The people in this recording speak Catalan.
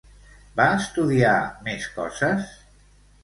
Va estudiar més coses?